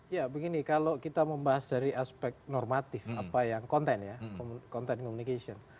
ya begini kalau kita membahas dari aspek normatif konten ya konten komunikasi